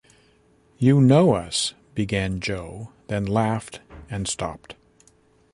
"You know us," began Jo, then laughed, and stopped.